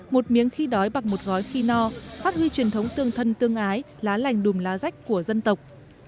một miếng khi đói bằng một gói khi no phát huy truyền thống tương thân tương ái lá lành đùm lá rách của dân tộc